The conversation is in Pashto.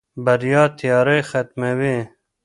بریا تیارې ختموي.